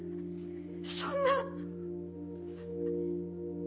そんな！